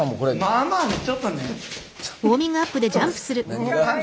まあまあちょっとね。